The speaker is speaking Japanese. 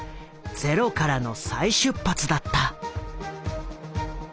ゼロからの再出発だった。